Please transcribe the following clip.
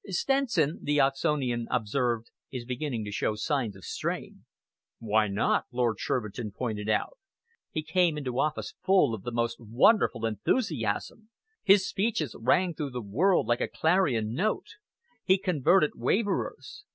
"Stenson," the Oxonian observed, "is beginning to show signs of strain." "Why not?" Lord Shervinton pointed out. "He came into office full of the most wonderful enthusiasm. His speeches rang through the world like a clarion note. He converted waverers.